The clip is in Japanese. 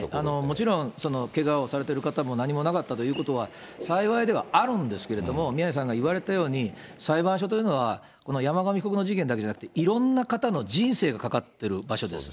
もちろん、けがをされてる方も何もなかったということは、幸いではあるんですけれども、宮根さんが言われたように、裁判所というのは、山上被告の事件だけではなくて、いろんな方の人生がかかってる場所です。